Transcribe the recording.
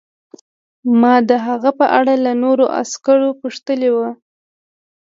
ما د هغه په اړه له نورو عسکرو پوښتلي وو